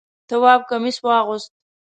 تواب کمیس واغوست.